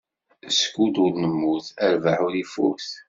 Skud ur nemmut, rrbeḥ ur ifut.